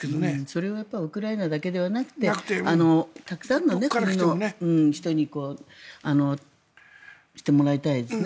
それはウクライナだけではなくてたくさんの国の人に来てもらいたいですね。